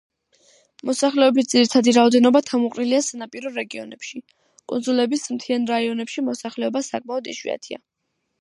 მოსახლეობის ძირითადი რაოდენობა თავმოყრილია სანაპირო რეგიონებში, კუნძულების მთიან რაიონებში მოსახლეობა საკმაოდ იშვიათია.